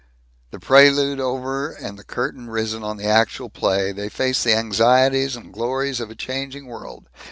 The prelude over and the curtain risen on the actual play, they face the anxieties and glories of a changing world.